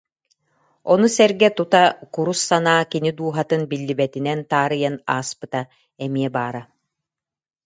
Ону сэргэ тута курус санаа кини дууһатын биллибэтинэн таарыйан ааспыта эмиэ баара